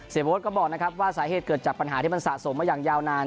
โบ๊ทก็บอกนะครับว่าสาเหตุเกิดจากปัญหาที่มันสะสมมาอย่างยาวนาน